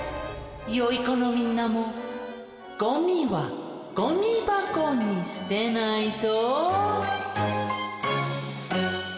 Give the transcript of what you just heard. よい子のみんなもゴミはゴミばこにすてないと。